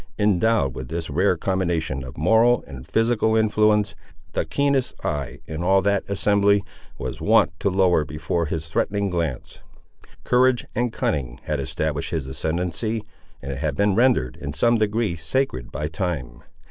Endowed with this rare combination of moral and physical influence, the keenest eye in all that assembly was wont to lower before his threatening glance. Courage and cunning had established his ascendency, and it had been rendered, in some degree, sacred by time.